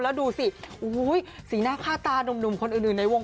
แล้วดูสิสีหน้าค่าตานุ่มคนอื่นในวง